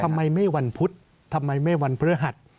ทำไมไม่วันพุธทำไมไม่วันพระหัส